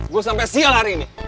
gue sampe sial hari ini